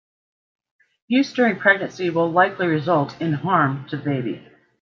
Use during pregnancy will likely result in harm to the baby.